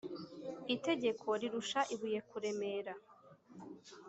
Itegeko rirusha ibuye kuremera.